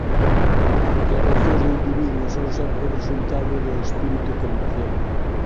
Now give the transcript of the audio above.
As reclamacións do individuo son sempre o resultado do espírito comercial.